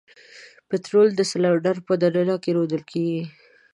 پطرول د سلنډر په د ننه کې رودل کیږي.